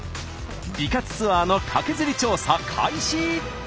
美活ツアーのカケズリ調査開始。